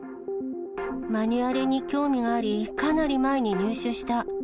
マニュアルに興味があり、かなり前に入手した。